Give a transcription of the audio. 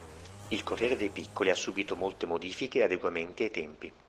Il "Corriere dei Piccoli" ha subito molte modifiche e adeguamenti ai tempi.